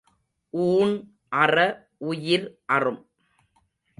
ஊண் அற உயிர் அறும்.